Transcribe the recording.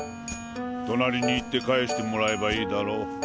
隣に行って返してもらえばいいだろ。